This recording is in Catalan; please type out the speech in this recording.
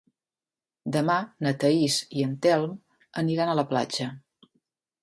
Demà na Thaís i en Telm aniran a la platja.